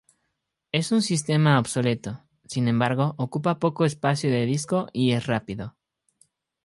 Es un sistema obsoleto, sin embargo ocupa poco espacio de disco y es rápido.